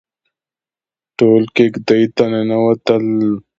ټول کېږدۍ ته ننوتل.